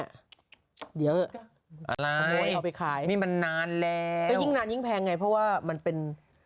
เดี๋ยวขโมยเอาไปขายนี่มันนานแล้วก็ยิ่งนานยิ่งแพงไงเพราะว่ามันเป็น